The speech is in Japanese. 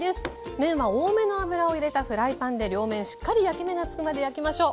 麺は多めの油を入れたフライパンで両面しっかり焼き目がつくまで焼きましょう。